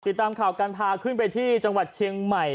ติดตามข่าวการพาขึ้นไปที่จังหวัดเชียงใหม่